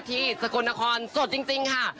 ที่สกนครสดจริงค่ะ